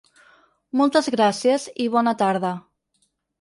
Moltes gràcies i bona tarda.